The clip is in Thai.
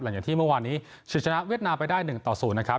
หลังจากที่เมื่อวานนี้ชิดชนะเวียดนามไปได้หนึ่งต่อศูนย์นะครับ